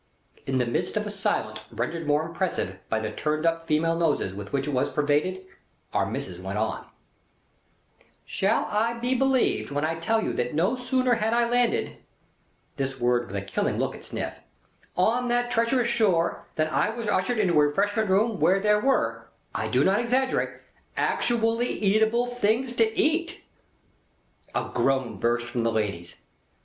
In the midst of a silence rendered more impressive by the turned up female noses with which it was pervaded, Our Missis went on: "Shall I be believed when I tell you that no sooner had I landed," this word with a killing look at Sniff, "on that treacherous shore, than I was ushered into a Refreshment Room where there were, I do not exaggerate, actually eatable things to eat?" A groan burst from the ladies.